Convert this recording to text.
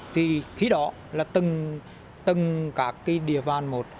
thì khi đó là từng các cái địa bàn một